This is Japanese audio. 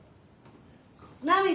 涙？